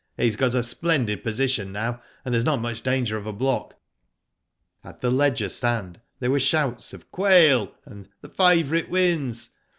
"He's got a splendid position now, and there's not much danger of a block." At the Leger stand there were shouts of /'Quail," and "the favourite wins."